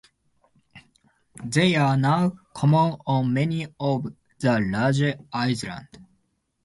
They are now common on many of the larger islands.